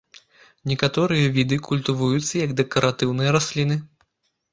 Некаторыя віды культывуюцца як дэкаратыўныя расліны.